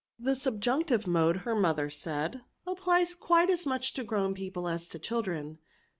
The subjunctive mode/' her mother said, appKes quite as much to grown people as to children.